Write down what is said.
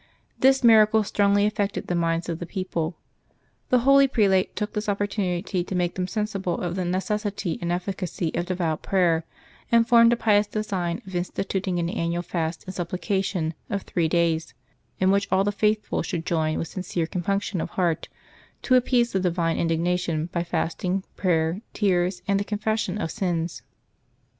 This miracle stfongly affected the minds of the people. The holy prelate took this opportunity to make them sensible of the necessity and efficacy of devout prayer, and formed a pious design of instituting an annual fast and supplica tion of three days, in which all the faithful should join, with sincere compunction of heart, to appease the divine indignation by fasting, prayer, tears, and the confession of sins.